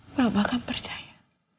mama akan percaya